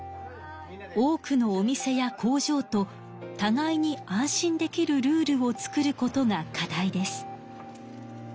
多くのお店や工場とたがいに安心できるルールを作ることが課題です。